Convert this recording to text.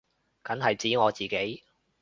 梗係指我自己